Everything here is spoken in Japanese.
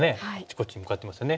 こっち向かってますよね。